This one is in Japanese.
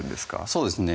そうですね